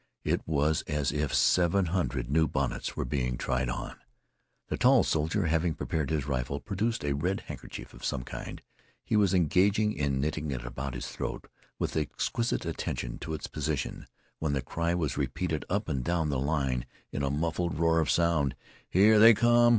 It was as if seven hundred new bonnets were being tried on. The tall soldier, having prepared his rifle, produced a red handkerchief of some kind. He was engaged in knitting it about his throat with exquisite attention to its position, when the cry was repeated up and down the line in a muffled roar of sound. "Here they come!